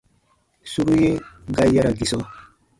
Suru ye ga yara gisɔ.